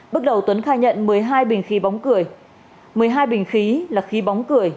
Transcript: bước đầu tuấn khai nhận một mươi hai bình khí bóng cười